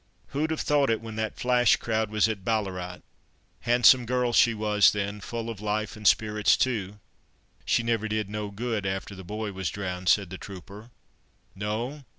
Who'd have thought it, when that flash crowd was at Ballarat! Handsome girl she was then, full of life and spirits too!" "She never did no good after the boy was drowned," said the trooper. "No!